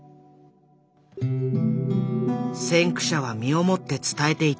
先駆者は身をもって伝えていた。